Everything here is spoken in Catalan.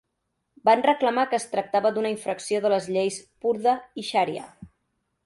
Van reclamar que es tractava d'una infracció de les lleis purdah i xaria.